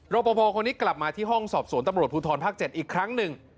ปภคนนี้กลับมาที่ห้องสอบสวนตำรวจภูทรภาค๗อีกครั้งหนึ่ง